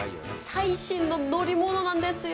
最新の乗り物なんですよ。